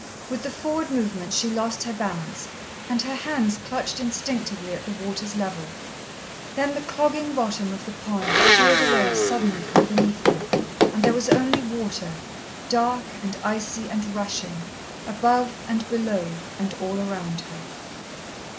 With the forward movement, she lost her balance, and her hands clutched instinctively at the water's level. Then the clogging bottom of the pond sheered away suddenly from beneath her, and there was only water, dark and icy and rushing, above and below and all round her.